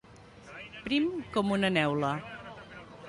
Prim com una neula.